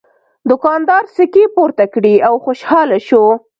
دوکاندار سکې پورته کړې او خوشحاله شو.